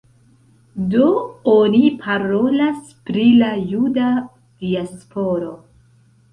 Do oni parolas pri la juda diasporo.